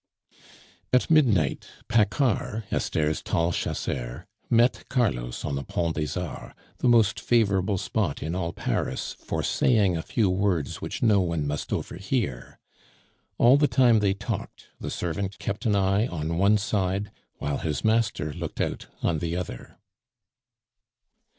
At midnight, Paccard, Esther's tall chasseur, met Carlos on the Pont des Arts, the most favorable spot in all Paris for saying a few words which no one must overhear. All the time they talked the servant kept an eye on one side, while his master looked out on the other.